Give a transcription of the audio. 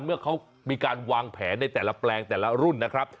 เมื่อเขามีการวางแผนในแต่ละแปลงแต่ละรุ่นนะครับ